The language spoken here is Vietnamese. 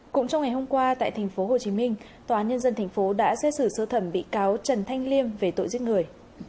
cũng trong ngày hôm qua tại tp hcm tòa nhân dân tp đã xét xử sơ thẩm bị cáo trần thanh liêm về tội giết người